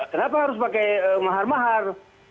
kenapa harus pakai mahal mahal